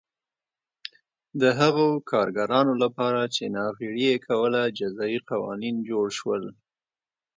د هغو کارګرانو لپاره چې ناغېړي یې کوله جزايي قوانین جوړ شول